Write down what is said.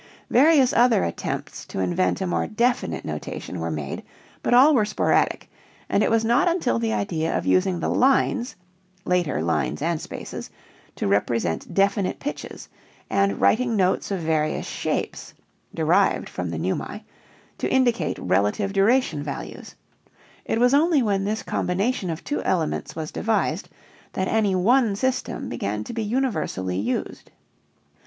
Various other attempts to invent a more definite notation were made, but all were sporadic, and it was not until the idea of using the lines (later lines and spaces) to represent definite pitches, and writing notes of various shapes (derived from the neumae) to indicate relative duration values it was only when this combination of two elements was devised that any one system began to be universally used.